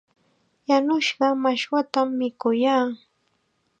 Yanushqa mashwatam mikuyaa.